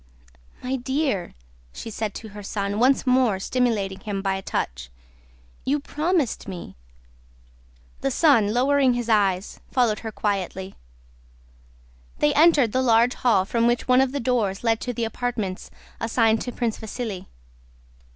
"My dear," she said to her son, once more stimulating him by a touch, "you promised me!" The son, lowering his eyes, followed her quietly. They entered the large hall, from which one of the doors led to the apartments assigned to Prince Vasíli.